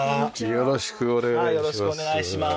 よろしくお願いします。